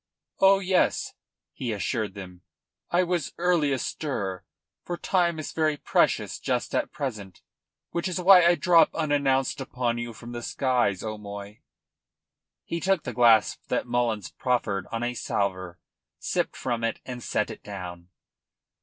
"Oh yes," he assured them, "I was early astir, for time is very precious just at present, which is why I drop unannounced upon you from the skies, O'Moy." He took the glass that Mullins proffered on a salver, sipped from it, and set it down.